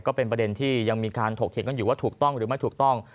ก็เป็นประเด็นที่ยังมีการถกเถียงกันอยู่ว่าถูกต้องหรือไม่ถูกต้อง